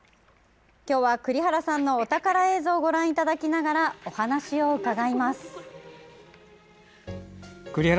今日は栗原さんのお宝映像をご覧いただきながらお話を伺います。